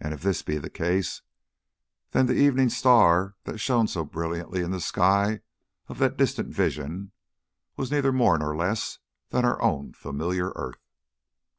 And, if that be the case, then the evening star that shone so brilliantly in the sky of that distant vision, was neither more nor less than our own familiar earth.